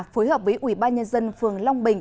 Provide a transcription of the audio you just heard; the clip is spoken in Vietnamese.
phối hợp với ủy ban nhân dân phường long bình